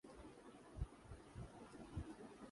وولبر بچے کچھ بچے وولبر ہوتے ہیں۔